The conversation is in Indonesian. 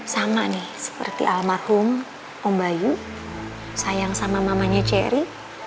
sama nih seperti almarhum om bayu sayang sama mamanya cherry